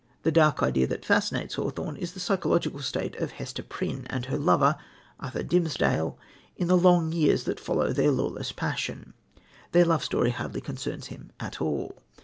The "dark idea" that fascinates Hawthorne is the psychological state of Hester Prynne and her lover, Arthur Dimmesdale, in the long years that follow their lawless passion. Their love story hardly concerns him at all.